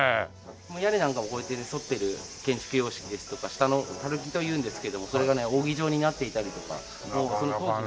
屋根なんかもこうやって反ってる建築様式ですとか下の垂木というんですけどもそれがね扇状になっていたりとかその当時の。